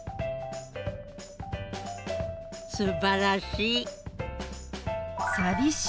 すばらしい。